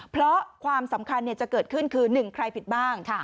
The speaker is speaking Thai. เพราะความสำคัญเนี่ยจะเกิดขึ้นคือหนึ่งใครผิดบ้าง